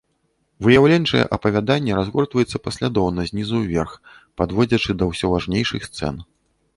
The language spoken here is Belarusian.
Выяўленчае апавяданне разгортваецца паслядоўна знізу ўверх, падводзячы да ўсё важнейшых сцэн.